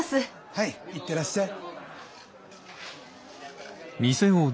はい行ってらっしゃい。